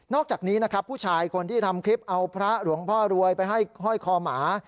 อกจากนี้นะครับผู้ชายคนที่ทำคลิปเอาพระหลวงพ่อรวยไปให้ห้อยคอหมา